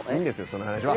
その話は。